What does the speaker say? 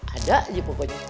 ada aja pokoknya